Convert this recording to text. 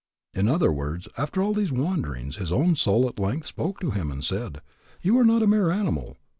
In other words, after all these wanderings, his own soul at length spoke to him and said, You are not a mere animal.